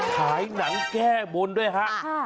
ขายหนังแก้บนด้วยฮะ